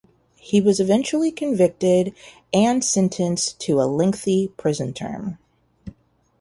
He was eventually convicted and sentenced to a lengthy prison term.